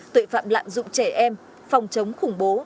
tội phạm lạm dụng trẻ em phòng chống khủng bố